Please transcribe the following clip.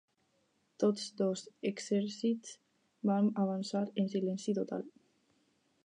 Tots dos exèrcits van avançar en silenci total.